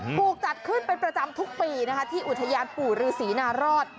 ถูกจัดขึ้นเป็นประจำทุกปีนะคะที่อุทยานปู่ฤษีนารอด